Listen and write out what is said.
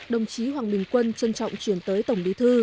đồng chí hoàng bình quân trân trọng chuyển tới tổng bí thư